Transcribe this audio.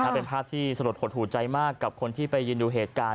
เป็นภาพที่สลดหดหูใจมากกับคนที่ไปยืนดูเหตุการณ์